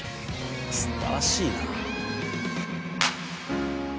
素晴らしいな。